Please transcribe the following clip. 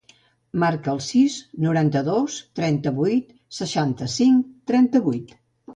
Marca el sis, noranta-dos, trenta-vuit, seixanta-cinc, trenta-vuit.